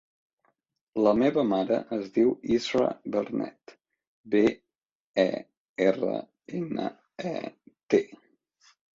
La meva mare es diu Israa Bernet: be, e, erra, ena, e, te.